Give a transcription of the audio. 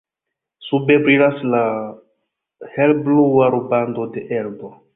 Sube brilas la helblua rubando de Elbo.